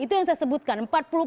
itu yang saya sebutkan